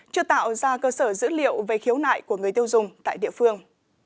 chưa tạo ra cơ sở dữ liệu về khiếu nại của người tiêu dùng tại địa phương